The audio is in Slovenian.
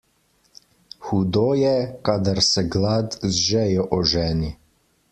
Hudo je, kadar se glad z žejo oženi.